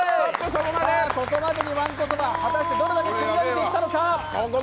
ここまで、わんこそば、果たしてどれだけ積み上げていったのか。